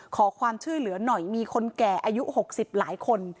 ขอความช่วยเหลือหน่อยมีคนแก่อายุ๖๐หลายคน